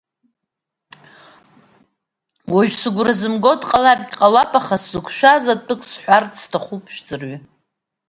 Уажәы сыгәра зымго дҟаларгь ҟалап, аха сзықәшәаз атәык сҳәарцы сҭахуп, шәӡырҩы.